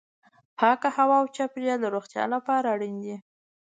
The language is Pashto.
پاکه هوا او چاپیریال د روغتیا لپاره اړین دي.